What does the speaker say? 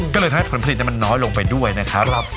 ก็เลยทำให้ผลผลิตมันน้อยลงไปด้วยนะครับ